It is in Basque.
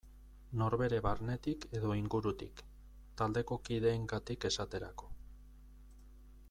Norbere barnetik edo ingurutik, taldeko kideengatik esaterako.